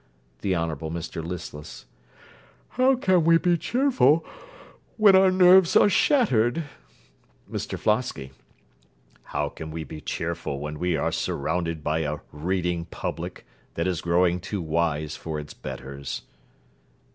THE HONOURABLE MR LISTLESS How can we be cheerful when our nerves are shattered? MR FLOSKY How can we be cheerful when we are surrounded by a reading public, that is growing too wise for its betters?